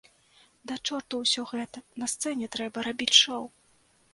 Да чорта ўсё гэта, на сцэне трэба рабіць шоў!